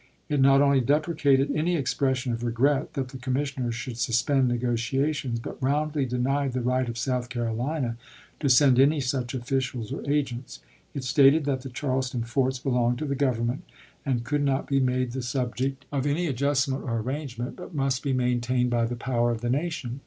It not only deprecated any expression of regret that the commissioners should suspend negotia tions, but roundly denied the right of South Caro lina to send any such officials or agents. It stated that the Charleston forts belonged to the Government, and could not be made the subject ISAAC TOIR'EY. THE CABINET REGIME 81 of any adjustment or arrangement, but must be chap, vi maintained by the power of the nation.